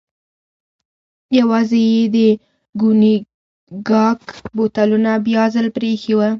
یوازې یې د کونیګاک بوتلونه بیا ځل پرې ایښي و.